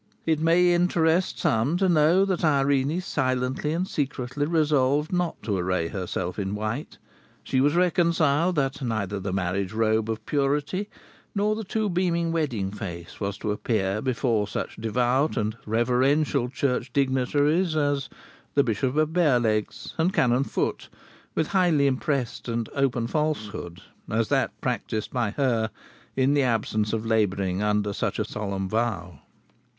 It may interest some to know that Irene silently and secretly resolved not to array herself in white; she was reconciled that neither the marriage robe of purity nor the too beaming wedding face was to appear before such devout and reverential Church dignitaries as the Bishop of Barelegs and Canon Foot, with highly impressed and open falsehood, as that practised by her in the absence of labouring under such a solemn vow.